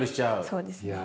そうですね。